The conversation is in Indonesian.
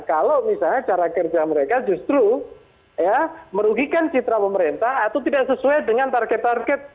kalau misalnya cara kerja mereka justru merugikan citra pemerintah atau tidak sesuai dengan target target